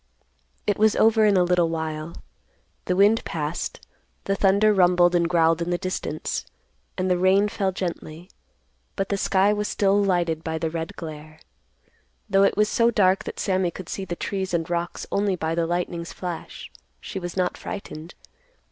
It was over in a little while. The wind passed; the thunder rumbled and growled in the distance; and the rain fell gently; but the sky was still lighted by the red glare. Though it was so dark that Sammy could see the trees and rocks only by the lightning's flash, she was not frightened.